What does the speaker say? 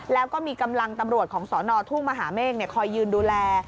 แล้วก็มีกำลังตำรวจของสนทุ่งมหาเมฆคอยยืนดูแล